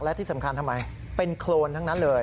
และที่สำคัญทำไมเป็นโครนทั้งนั้นเลย